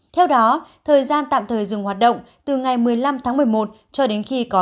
theo đó thời gian tạm thời dừng hoạt động từ ngày một mươi năm tháng một mươi một cho đến khi có